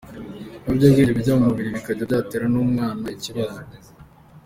Ibiyobyabwenge bijya mu mubiri bikaba byatera n’umwana ikibazo.